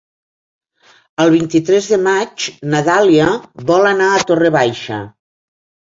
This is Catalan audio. El vint-i-tres de maig na Dàlia vol anar a Torre Baixa.